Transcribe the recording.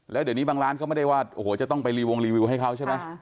แล้วเดี๋ยวนี้บางร้านเขาไม่ได้ว่าโอ้โหจะต้องไปรีวงรีวิวให้เขาใช่ไหม